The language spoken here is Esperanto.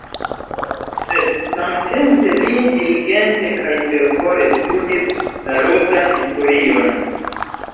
Sed samtempe li diligente kaj fervore studis la rusan historion.